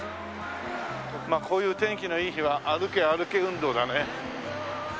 こういう天気のいい日は歩け歩け運動だね。